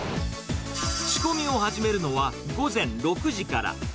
仕込みを始めるのは、午前６時から。